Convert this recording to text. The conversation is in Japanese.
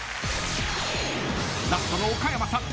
［ラストの岡山さん